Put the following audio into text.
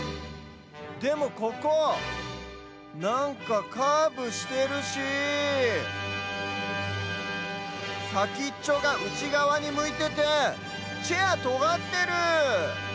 でもここなんかカーブしてるしさきっちょがうちがわにむいててチェアとがってる！